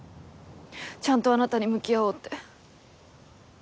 ちゃんとあなたに向き合おうって。